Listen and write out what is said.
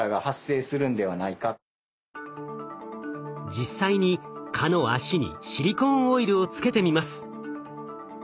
実際に蚊の脚にシリコーンオイルをつけてみます。